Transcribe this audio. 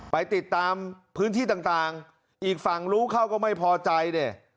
ไปติดตามพื้นที่ต่างอีกฝั่งรู้เข้าก็ไม่พอใจเนี่ย